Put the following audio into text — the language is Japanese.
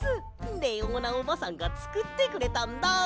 レオーナおばさんがつくってくれたんだ！